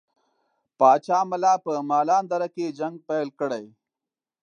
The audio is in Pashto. پاچا ملا په مالان دره کې جنګ پیل کړي.